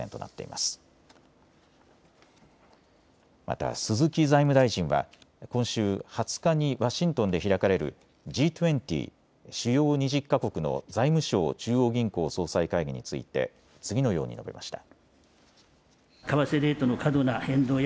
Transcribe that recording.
また鈴木財務大臣は今週２０日にワシントンで開かれるＧ２０・主要２０か国の財務相・中央銀行総裁会議について次のように述べました。